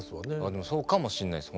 でもそうかもしんないです。